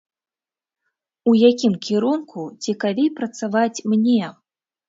У якім кірунку цікавей працаваць мне?